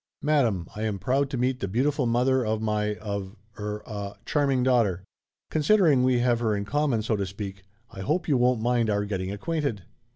"Madame, I am proud to meet the beautiful mother of my of er a charming daughter. Considering we have her in common, so to speak, I hope you won't mind our getting acquainted!"